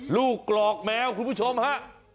ลูกกรอกแมวคุณผู้ชมฮะ